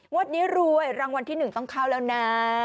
วันนี้รวยรางวัลที่๑ต้องเข้าแล้วนะ